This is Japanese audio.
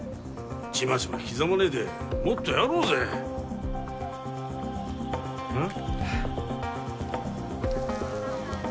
チマチマ刻まねえでもっとやろうぜうん？